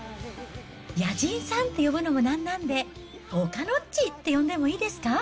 野人さんって呼ぶのもなんなんで、岡野っちって呼んでもいいですか？